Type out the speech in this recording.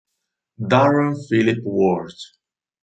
Darren Philip Ward